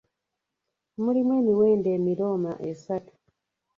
Mulimu emiwendo emirooma esatu.